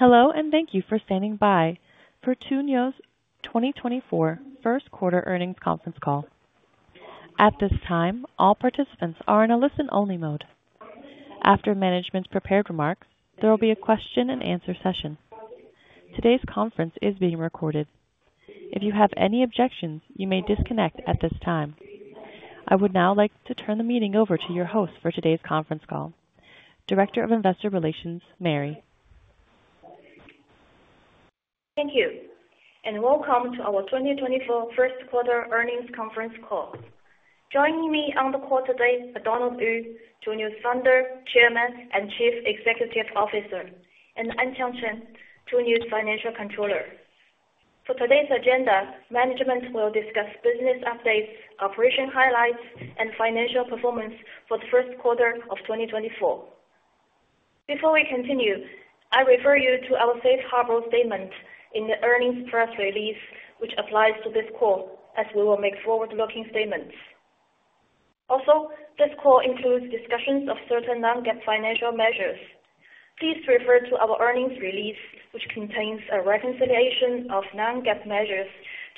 Hello, and thank you for standing by for Tuniu's 2024 first quarter earnings conference call. At this time, all participants are in a listen-only mode. After management's prepared remarks, there will be a question-and-answer session. Today's conference is being recorded. If you have any objections, you may disconnect at this time. I would now like to turn the meeting over to your host for today's conference call, Director of Investor Relations, Mary. Thank you, and welcome to our 2024 first quarter earnings conference call. Joining me on the call today are Donald Yu, Tuniu's Founder, Chairman, and Chief Executive Officer, and Anqiang Chen, Tuniu's Financial Controller. For today's agenda, management will discuss business updates, operation highlights, and financial performance for the first quarter of 2024. Before we continue, I refer you to our safe harbor statement in the earnings press release, which applies to this call, as we will make forward-looking statements. Also, this call includes discussions of certain non-GAAP financial measures. Please refer to our earnings release, which contains a reconciliation of non-GAAP measures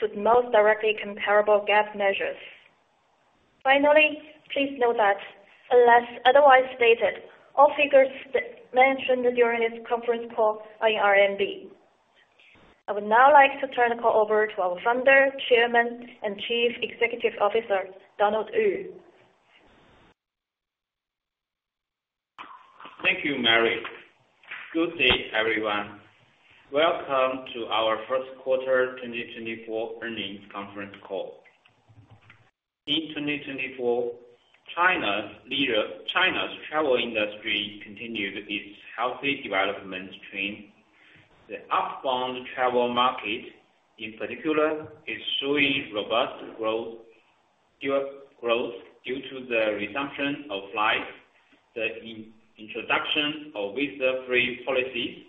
to the most directly comparable GAAP measures. Finally, please note that unless otherwise stated, all figures mentioned during this conference call are in RMB. I would now like to turn the call over to our Founder, Chairman, and Chief Executive Officer, Donald Yu. Thank you, Mary. Good day, everyone. Welcome to our first quarter 2024 earnings conference call. In 2024, China's travel industry continued its healthy development trend. The outbound travel market, in particular, is showing robust growth due to the resumption of flights, the introduction of visa-free policies,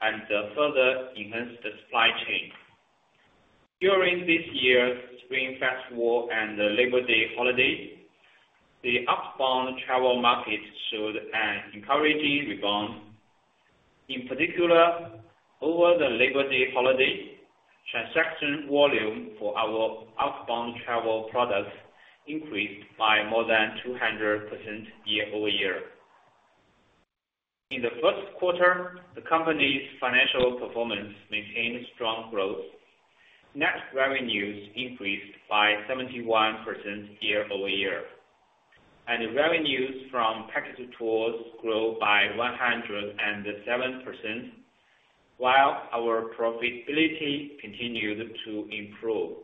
and to further enhance the supply chain. During this year's Spring Festival and the Labor Day holiday, the outbound travel market showed an encouraging rebound. In particular, over the Labor Day holiday, transaction volume for our outbound travel products increased by more than 200% year-over-year. In the first quarter, the company's financial performance maintained strong growth. Net revenues increased by 71% year-over-year, and the revenues from package tours grew by 107%, while our profitability continued to improve.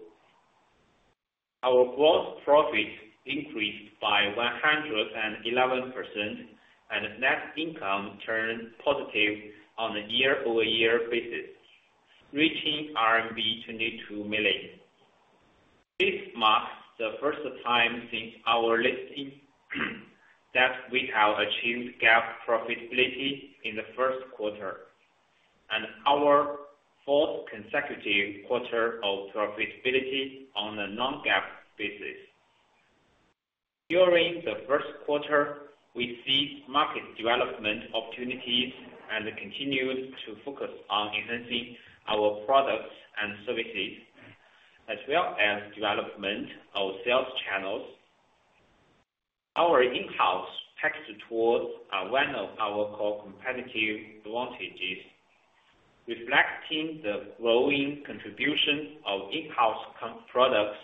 Our gross profit increased by 111%, and net income turned positive on a year-over-year basis, reaching RMB 22 million. This marks the first time since our listing, that we have achieved GAAP profitability in the first quarter, and our fourth consecutive quarter of profitability on a non-GAAP basis. During the first quarter, we see market development opportunities and continued to focus on enhancing our products and services, as well as development of sales channels. Our in-house package tours are one of our core competitive advantages, reflecting the growing contribution of in-house company products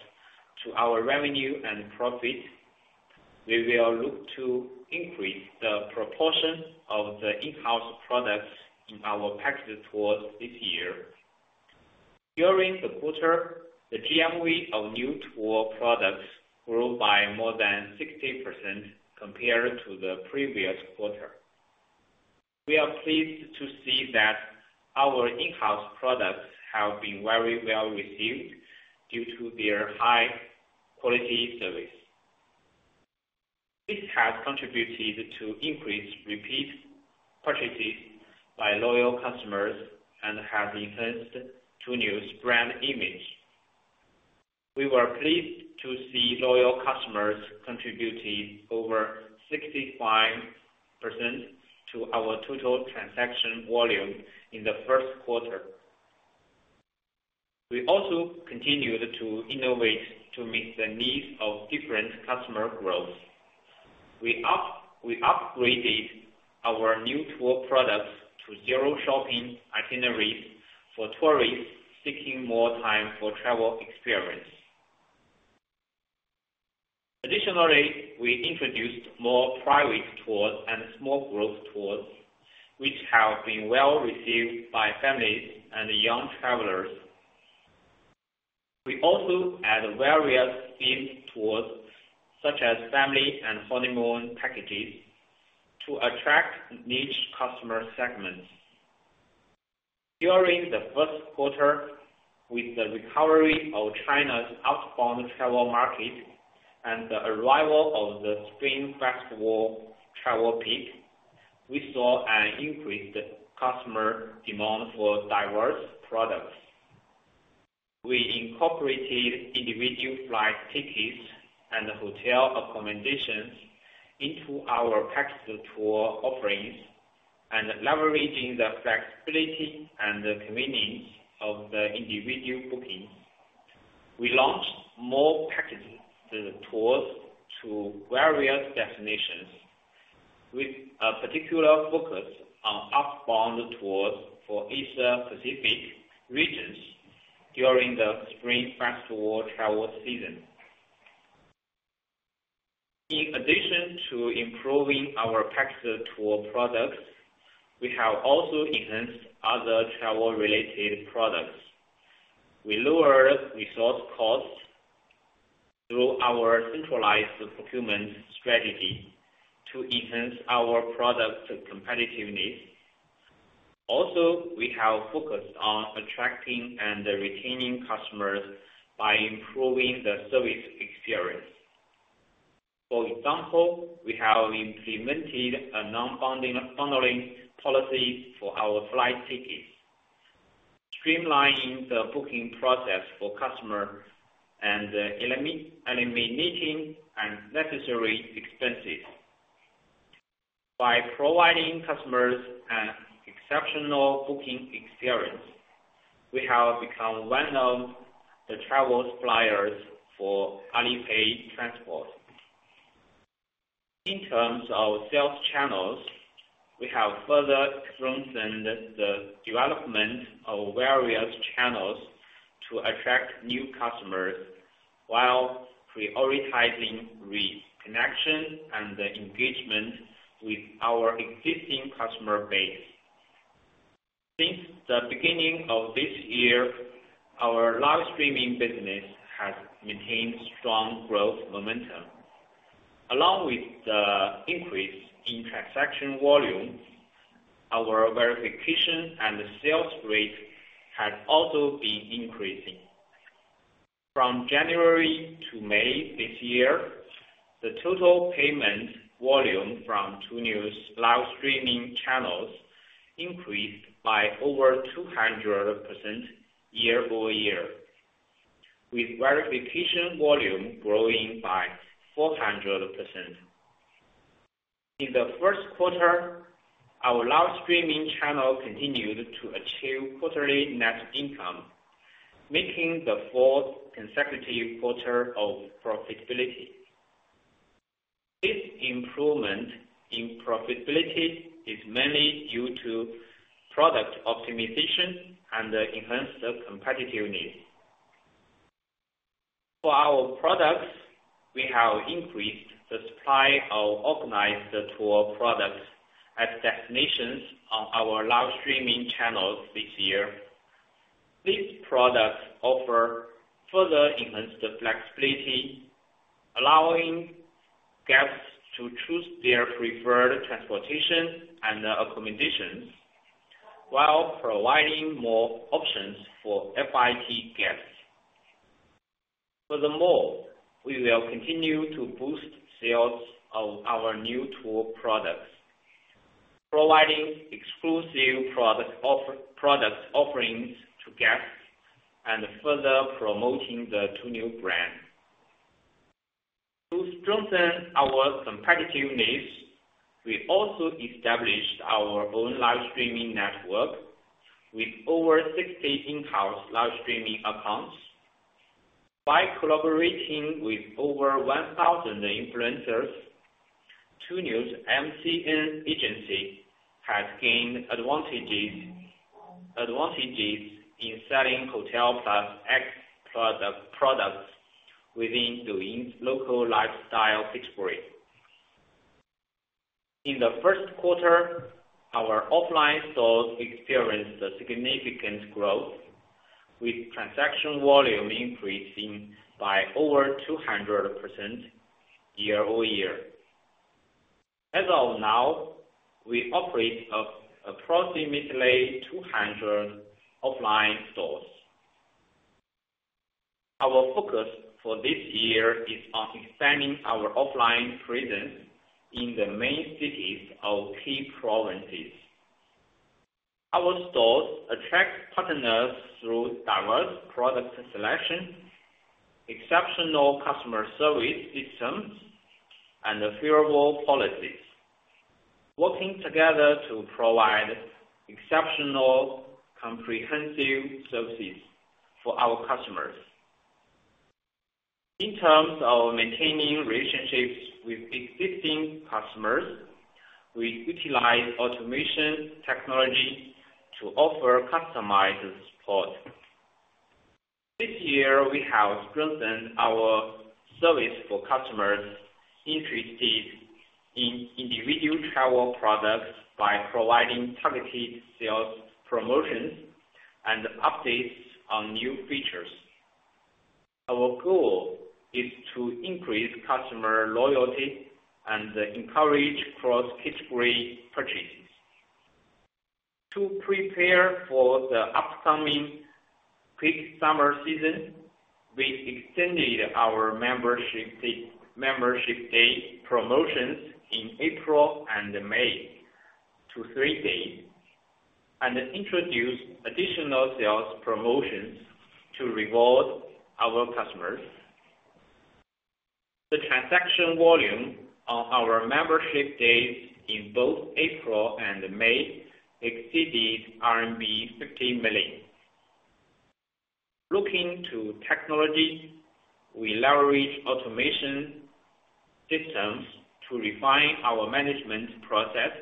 to our revenue and profit. We will look to increase the proportion of the in-house products in our package tours this year. During the quarter, the GMV of Niu Tour products grew by more than 60% compared to the previous quarter. We are pleased to see that our in-house products have been very well received due to their high-quality service. This has contributed to increased repeat purchases by loyal customers and have enhanced Tuniu's brand image. We were pleased to see loyal customers contributing over 65% to our total transaction volume in the first quarter. We also continued to innovate to meet the needs of different customer growth. We upgraded our new tour products to zero shopping itineraries for tourists seeking more time for travel experience. Additionally, we introduced more private tours and small group tours, which have been well received by families and young travelers. We also add various themed tours, such as family and honeymoon packages, to attract niche customer segments. During the first quarter, with the recovery of China's outbound travel market and the arrival of the Spring Festival travel peak, we saw an increased customer demand for diverse products. We incorporated individual flight tickets and hotel accommodations into our package tour offerings, and leveraging the flexibility and the convenience of the individual bookings. We launched more package tours to various destinations, with a particular focus on outbound tours for Asia Pacific regions during the Spring Festival travel season. In addition to improving our package tour products, we have also enhanced other travel-related products. We lowered resource costs through our centralized procurement strategy to enhance our product competitiveness. Also, we have focused on attracting and retaining customers by improving the service experience. For example, we have implemented a non-bundling, bundling policy for our flight tickets, streamlining the booking process for customer and eliminating unnecessary expenses. By providing customers an exceptional booking experience, we have become one of the travel suppliers for Alipay transport. In terms of sales channels, we have further strengthened the development of various channels to attract new customers, while prioritizing reconnection and engagement with our existing customer base. Since the beginning of this year, our live streaming business has maintained strong growth momentum. Along with the increase in transaction volume, our verification and sales rate has also been increasing. From January to May this year, the total payment volume from Tuniu's live streaming channels increased by over 200% year-over-year, with verification volume growing by 400%. In the first quarter, our live streaming channel continued to achieve quarterly net income, making the fourth consecutive quarter of profitability. This improvement in profitability is mainly due to product optimization and enhanced competitiveness. For our products, we have increased the supply of organized tour products at destinations on our live streaming channels this year. These products offer further enhanced flexibility, allowing guests to choose their preferred transportation and accommodations, while providing more options for FIT guests. Furthermore, we will continue to boost sales of our Niu Tour products, providing exclusive product offerings to guests, and further promoting the Niu Tour brand. To strengthen our competitiveness, we also established our own live streaming network with over 60 in-house live streaming accounts. By collaborating with over 1,000 influencers, Tuniu's MCN agency has gained advantages in selling Hotel + X products within Douyin's local lifestyle category. In the first quarter, our offline stores experienced a significant growth, with transaction volume increasing by over 200% year-over-year. As of now, we operate approximately 200 offline stores. Our focus for this year is on expanding our offline presence in the main cities of key provinces. Our stores attract partners through diverse product selection, exceptional customer service systems, and favorable policies, working together to provide exceptional, comprehensive services for our customers. In terms of maintaining relationships with existing customers, we utilize automation technology to offer customized support. This year, we have strengthened our service for customers interested in individual travel products by providing targeted sales promotions and updates on new features. Our goal is to increase customer loyalty and encourage cross-category purchases. To prepare for the upcoming peak summer season, we extended our membership day, membership day promotions in April and May to three days, and introduce additional sales promotions to reward our customers. The transaction volume on our membership days in both April and May exceeded RMB 50 million. Looking to technology, we leverage automation systems to refine our management process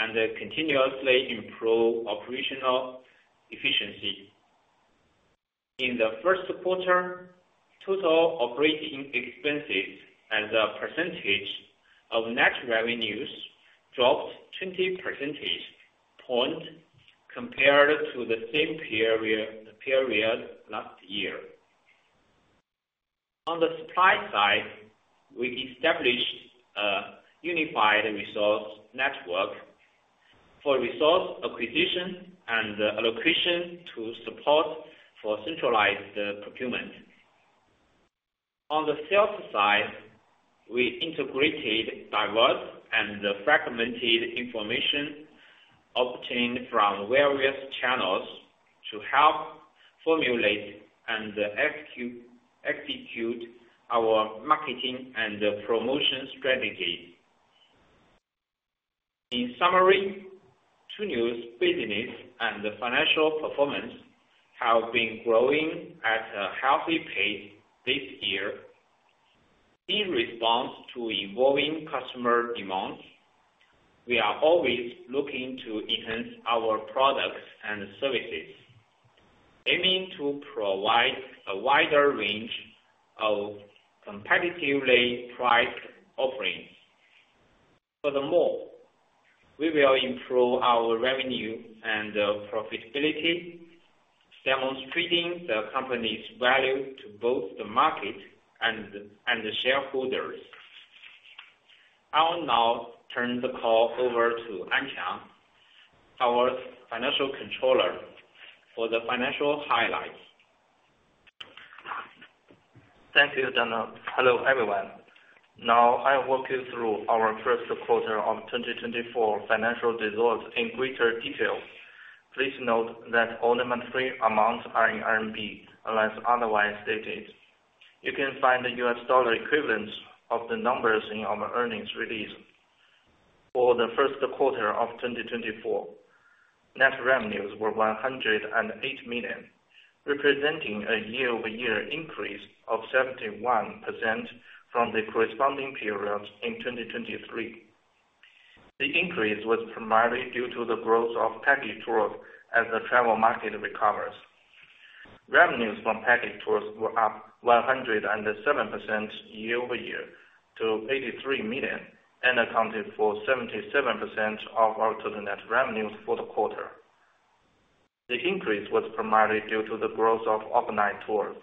and continuously improve operational efficiency. In the first quarter, total operating expenses as a percentage of net revenues dropped 20 percentage points compared to the same period last year. On the supply side, we established a unified resource network for resource acquisition and allocation to support for centralized procurement. On the sales side, we integrated diverse and fragmented information obtained from various channels to help formulate and execute our marketing and promotion strategy. In summary, Tuniu's business and financial performance have been growing at a healthy pace this year. In response to evolving customer demands, we are always looking to enhance our products and services, aiming to provide a wider range of competitively priced offerings. Furthermore, we will improve our revenue and profitability, demonstrating the company's value to both the market and the shareholders. I will now turn the call over to Anqiang, our Financial Controller, for the financial highlights. Thank you, Donald. Hello, everyone. Now, I'll walk you through our first quarter of 2024 financial results in greater detail. Please note that all monetary amounts are in RMB, unless otherwise stated. You can find the US dollar equivalents of the numbers in our earnings release. For the first quarter of 2024, net revenues were 108 million, representing a year-over-year increase of 71% from the corresponding period in 2023. The increase was primarily due to the growth of package tours as the travel market recovers. Revenues from package tours were up 107% year-over-year, to 83 million, and accounted for 77% of our total net revenues for the quarter. The increase was primarily due to the growth of overnight tours.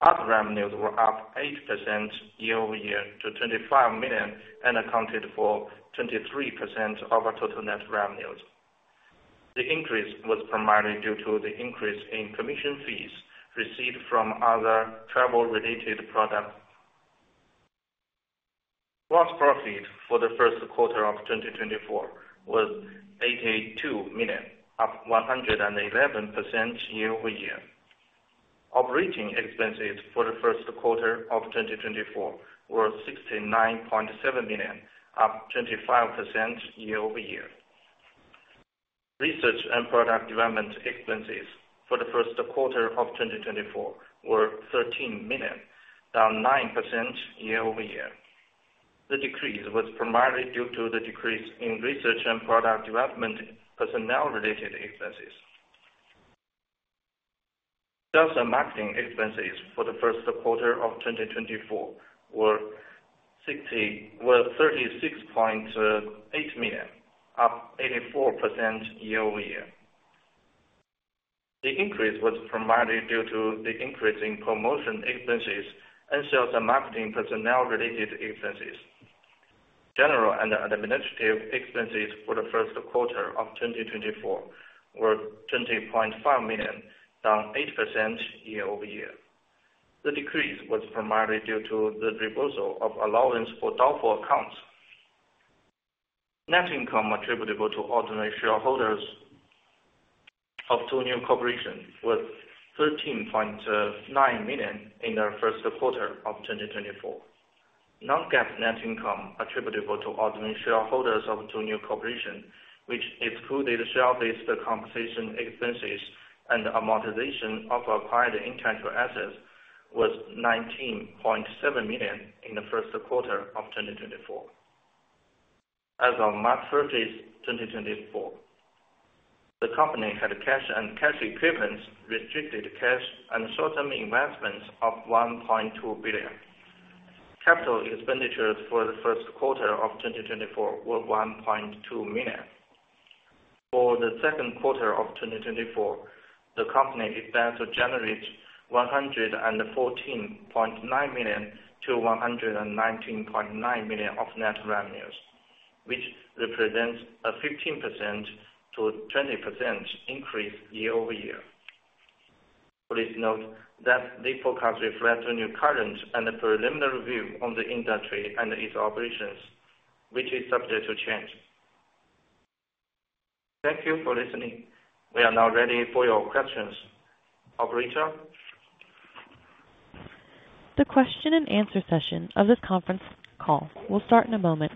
Other revenues were up 8% year-over-year to 25 million and accounted for 23% of our total net revenues. The increase was primarily due to the increase in commission fees received from other travel-related products. Gross profit for the first quarter of 2024 was 82 million, up 111% year-over-year. Operating expenses for the first quarter of 2024 were 69.7 million, up 25% year-over-year. Research and product development expenses for the first quarter of 2024 were 13 million, down 9% year-over-year. The decrease was primarily due to the decrease in research and product development personnel-related expenses. Sales and marketing expenses for the first quarter of 2024 were 36.8 million, up 84% year-over-year. The increase was primarily due to the increase in promotion expenses and sales and marketing personnel-related expenses. General and administrative expenses for the first quarter of 2024 were 20.5 million, down 8% year-over-year. The decrease was primarily due to the reversal of allowance for doubtful accounts. Net income attributable to ordinary shareholders of Tuniu Corporation was 13.9 million in the first quarter of 2024. Non-GAAP net income attributable to ordinary shareholders of Tuniu Corporation, which excluded share-based compensation expenses and amortization of acquired intangible assets, was 19.7 million in the first quarter of 2024. As of March 31st, 2024, the company had cash and cash equivalents, restricted cash and short-term investments of 1.2 billion. Capital expenditures for the first quarter of 2024 were 1.2 million. For the second quarter of 2024, the company expects to generate 114.9 million-119.9 million of net revenues, which represents a 15%-20% increase year-over-year. Please note that the forecast reflects the new current and the preliminary view on the industry and its operations, which is subject to change. Thank you for listening. We are now ready for your questions. Operator? The question-and-answer session of this conference call will start in a moment.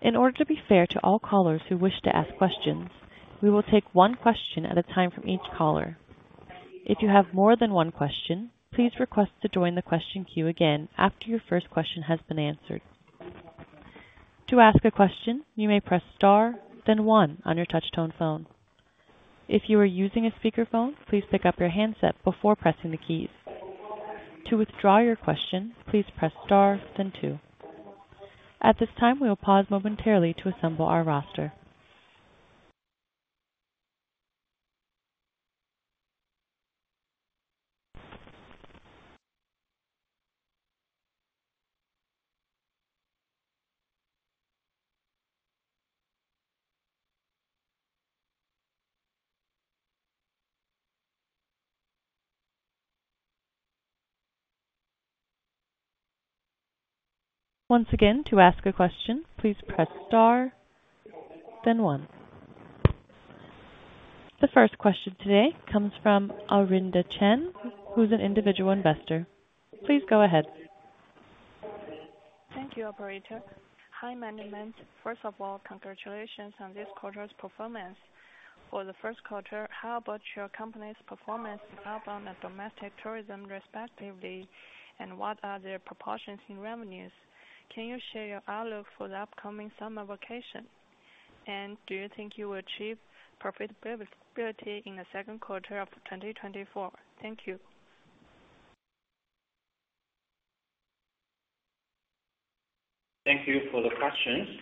In order to be fair to all callers who wish to ask questions, we will take one question at a time from each caller. If you have more than one question, please request to join the question queue again after your first question has been answered. To ask a question, you may press star then one on your touchtone phone. If you are using a speakerphone, please pick up your handset before pressing the keys. To withdraw your question, please press star then two. At this time, we will pause momentarily to assemble our roster. Once again, to ask a question, please press star then one. The first question today comes from Arinda Chen, who's an individual investor. Please go ahead. Thank you, operator. Hi, management. First of all, congratulations on this quarter's performance. For the first quarter, how about your company's performance on the outbound and domestic tourism, respectively, and what are their proportions in revenues? Can you share your outlook for the upcoming summer vacation? Do you think you will achieve profitability in the second quarter of 2024? Thank you. Thank you for the question.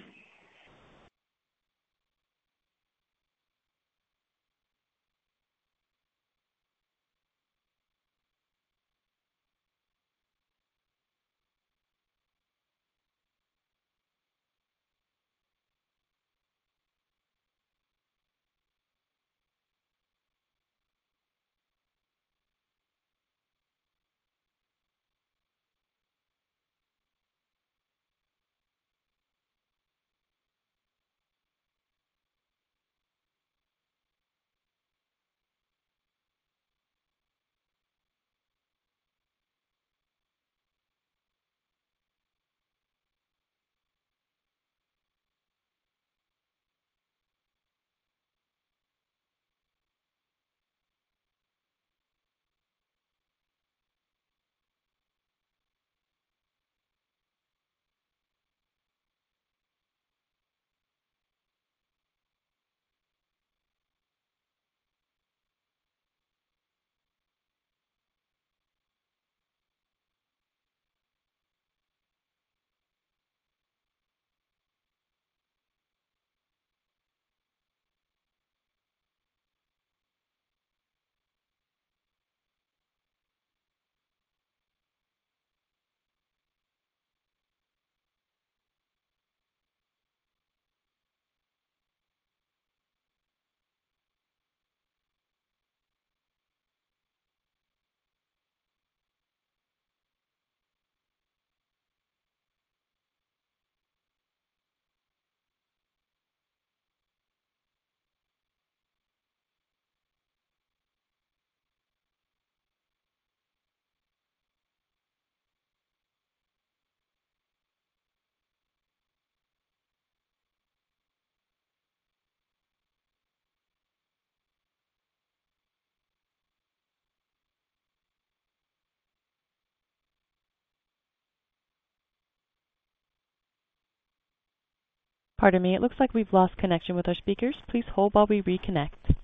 Pardon me. It looks like we've lost connection with our speakers. Please hold while we reconnect.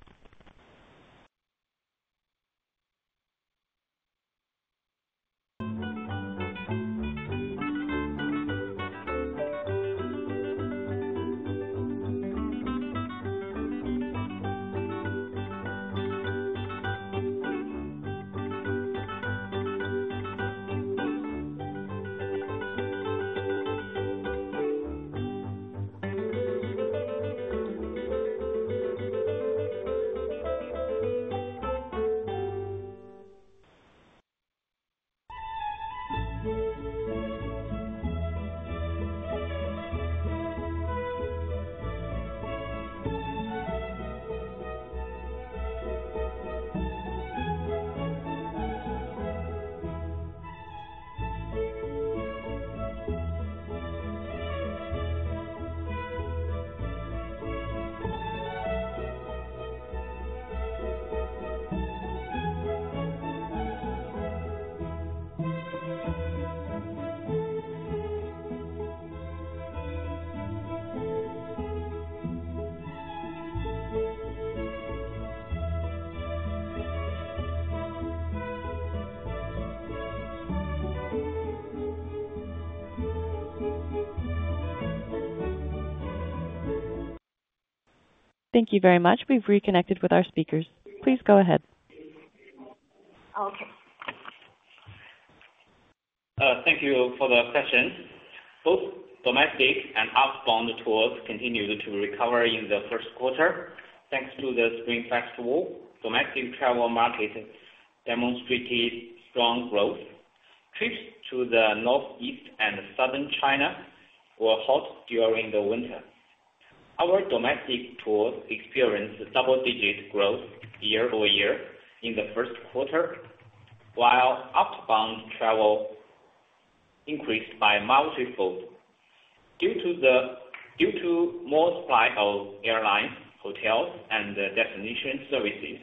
Thank you very much. We've reconnected with our speakers. Please go ahead. Okay. Thank you for the question. Both domestic and outbound tours continued to recover in the first quarter, thanks to the Spring Festival. Domestic travel market demonstrated strong growth. Trips to the Northeast China and Southern China were hot during the winter. Our domestic tours experienced double-digit growth year-over-year in the first quarter, while outbound travel increased by multiple. Due to more supply of airlines, hotels, and destination services,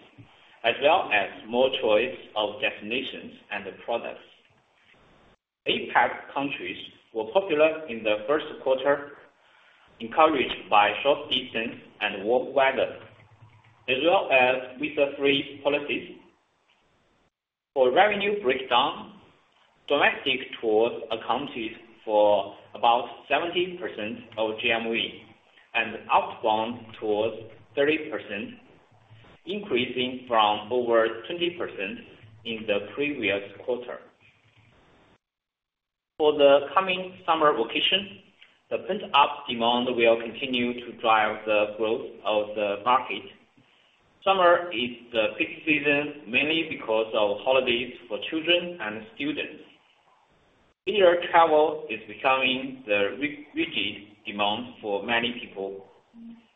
as well as more choice of destinations and products. APAC countries were popular in the first quarter, encouraged by short distance and warm weather, as well as visa-free policies. For revenue breakdown, domestic tours accounted for about 70% of GMV, and outbound tours 30%, increasing from over 20% in the previous quarter. For the coming summer vacation, the pent-up demand will continue to drive the growth of the market. Summer is the peak season, mainly because of holidays for children and students. Air travel is becoming the rigid demand for many people,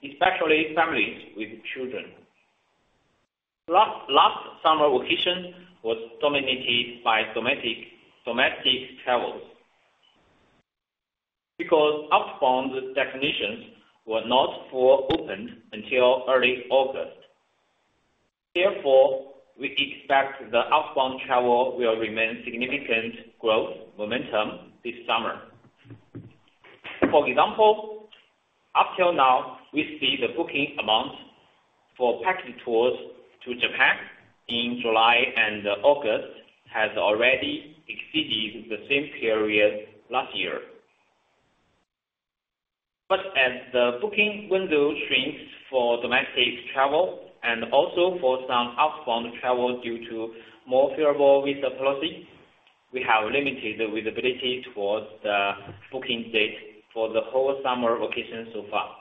especially families with children. Last summer vacation was dominated by domestic travels because outbound destinations were not fully open until early August. Therefore, we expect the outbound travel will remain significant growth momentum this summer. For example, up till now, we see the booking amount for package tours to Japan in July and August has already exceeded the same period last year. But as the booking window shrinks for domestic travel and also for some outbound travel due to more favorable visa policy, we have limited visibility towards the booking date for the whole summer vacation so far.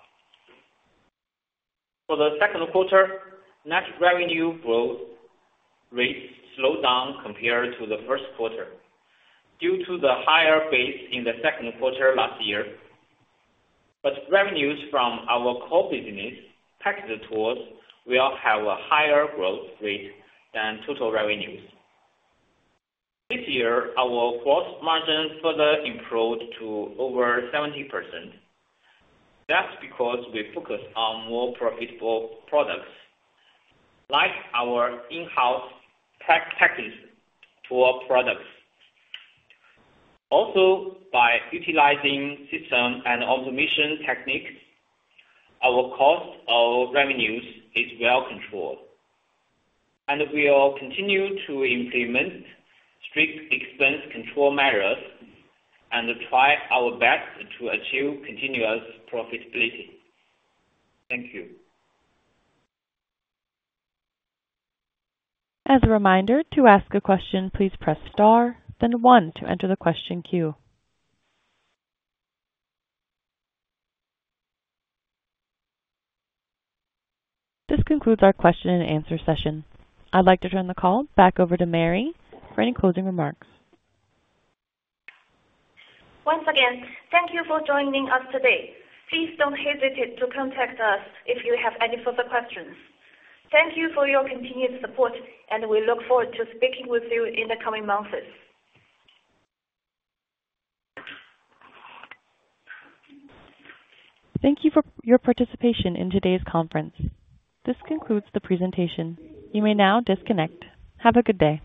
For the second quarter, net revenue growth rates slowed down compared to the first quarter due to the higher base in the second quarter last year. Revenues from our core business package tours will have a higher growth rate than total revenues. This year, our gross margin further improved to over 70%. That's because we focus on more profitable products, like our in-house tech package tour products. Also, by utilizing system and automation techniques, our cost of revenues is well controlled. We will continue to implement strict expense control measures and try our best to achieve continuous profitability. Thank you. As a reminder, to ask a question, please press Star, then one to enter the question queue. This concludes our question-and-answer session. I'd like to turn the call back over to Mary for any closing remarks. Once again, thank you for joining us today. Please don't hesitate to contact us if you have any further questions. Thank you for your continued support, and we look forward to speaking with you in the coming months. Thank you for your participation in today's conference. This concludes the presentation. You may now disconnect. Have a good day.